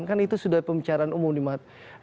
kan itu sudah pembicaraan umum di mata